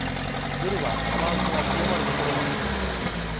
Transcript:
夜は雨足が強まる所もありそうです。